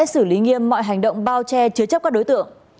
xử lý nghiêm mọi hành động bao che chứa chấp các đối tượng